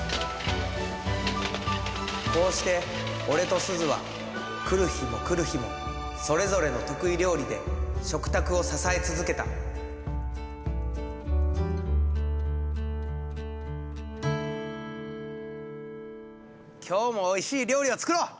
こうして俺とすずは来る日も来る日もそれぞれの得意料理で食卓を支え続けた今日もおいしい料理を作ろう！